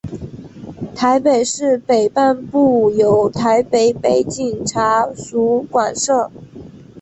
台北市北半部由台北北警察署管辖。